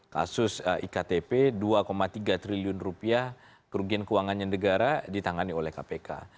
kasus iktp dua tiga triliun rupiah kerugian keuangannya negara ditangani oleh kpk